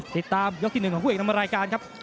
ติดตามยอดกินหนึ่งของผู้เอกนำมารายการครับ